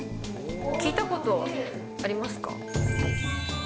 聞いたことありますか？